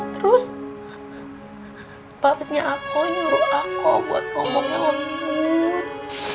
terus papesnya aku nyuruh aku buat ngomongnya lembut